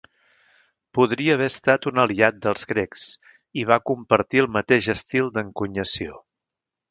Podria haver estat un aliat dels grecs, i va compartir el mateix estil d'encunyació.